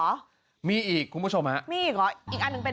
เหรอมีอีกคุณผู้ชมฮะมีอีกเหรออีกอันหนึ่งเป็น